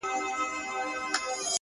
زما خوبـونو پــه واوښـتـل،